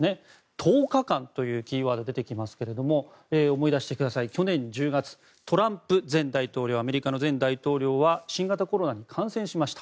１０日間というキーワードが出てきますが思い出してください、去年１０月トランプ前大統領はアメリカの前大統領は新型コロナに感染しました。